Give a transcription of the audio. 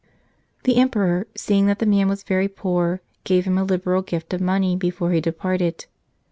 The Emperor, seeing that the man was very poor, gave him a liberal gift of money before he de¬ parted.